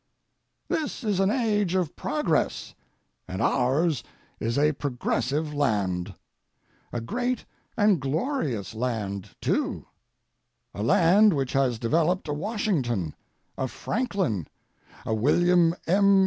This is an age of progress, and ours is a progressive land. A great and glorious land, too—a land which has developed a Washington, a Franklin, a Wm. M.